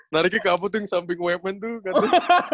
nariknya ke aputu yang samping wepman tuh